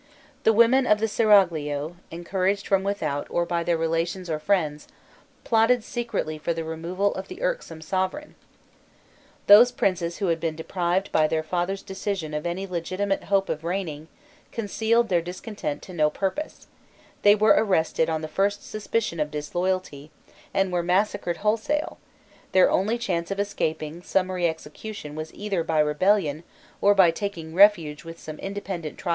The women of the seraglio, encouraged from without by their relations or friends, plotted secretly for the removal of the irksome sovereign.* Those princes who had been deprived by their father's decision of any legitimate hope of reigning, concealed their discontent to no purpose; they were arrested on the first suspicion of disloyalty, and were massacred wholesale; their only chance of escaping summary execution was either by rebellion or by taking refuge with some independent tribe of Libya or of the desert of Sinai.